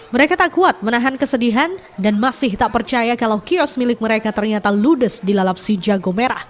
mereka tak kuat menahan kesedihan dan masih tak percaya kalau kios milik mereka ternyata ludes di lalap si jago merah